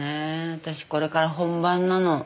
私これから本番なの。